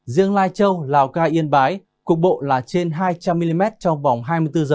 riêng lai châu lào cai yên bái cục bộ là trên hai trăm linh mm trong vòng hai mươi bốn h